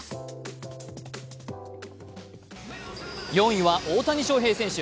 ４位は大谷翔平選手。